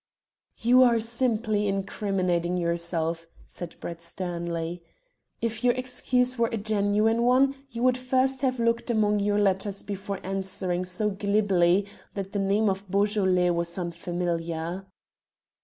"You are simply incriminating yourself," said Brett sternly. "If your excuse were a genuine one you would first have looked among your letters before answering so glibly that the name of Beaujolais was unfamiliar."